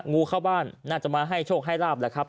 งูเข้าบ้านน่าจะมาให้โชคให้ลาบแหละครับ